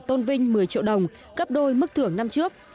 tôn vinh một mươi triệu đồng gấp đôi mức thưởng năm trước